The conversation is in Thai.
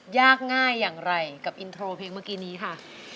ยากง่ายอย่างไรกับอินโทรเพลงเมื่อกี้นี้ค่ะ